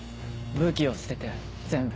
武器を捨てて全部。